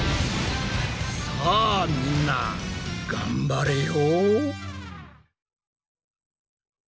さあみんな頑張れよ。